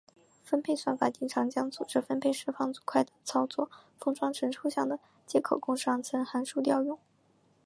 分配算法经常将组织分配释放组块等操作封装成抽象的接口供上层函数调用。